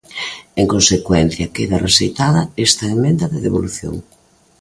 En consecuencia, queda rexeitada esta emenda de devolución.